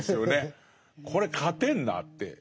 これ勝てるなって。